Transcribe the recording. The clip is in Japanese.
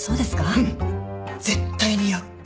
うん。絶対似合う。